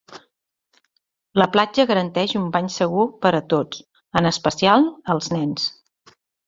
La platja garanteix un bany segur per a tots, en especial els nens.